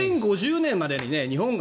２０５０年までに。